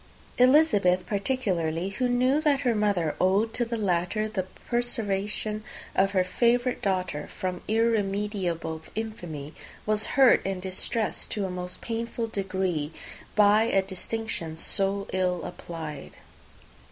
Elizabeth particularly, who knew that her mother owed to the latter the preservation of her favourite daughter from irremediable infamy, was hurt and distressed to a most painful degree by a distinction so ill applied.